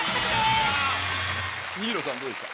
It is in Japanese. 新納さんどうでした？